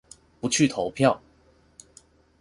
不去投票！